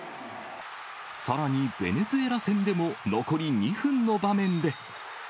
さらにベネズエラ戦でも、残り２分の場面で。